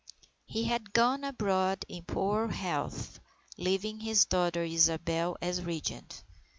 He had gone abroad in poor health, leaving his daughter Isabel as Regent.